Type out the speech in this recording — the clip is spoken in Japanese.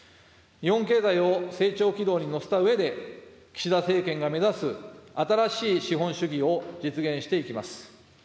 日本経済を成長軌道に乗せたうえで、岸田政権が目指す新しい資本主義を実現していきます。